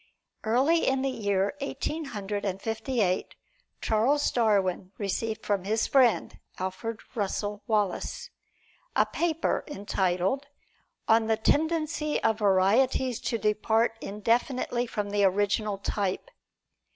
Early in the year Eighteen Hundred Fifty eight, Charles Darwin received from his friend, Alfred Russel Wallace, a paper entitled, "On the Tendency of Varieties to Depart Indefinitely From the Original Type."